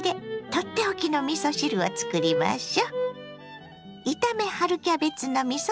取って置きのみそ汁をつくりましょ。